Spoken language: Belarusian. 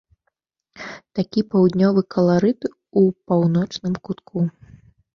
Такі паўднёвы каларыт у паўночным кутку.